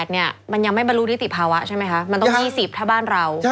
เนี่ยมันยังไม่บรรลุนิติภาวะใช่ไหมคะมันต้อง๒๐ถ้าบ้านเรา